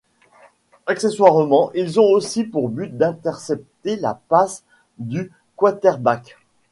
Accessoirement, ils ont aussi pour but d'intercepter la passe du quarterback.